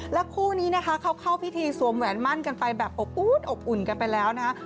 คู่นี้นะคะเขาเข้าพิธีสวมแหวนมั่นกันไปแบบอบอุ่นอบอุ่นกันไปแล้วนะคะ